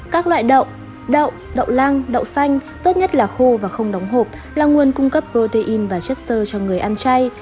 các loại đậu đậu đậu lang đậu xanh tốt nhất là khô và không đóng hộp là nguồn cung cấp protein và chất xơ cho người ăn chay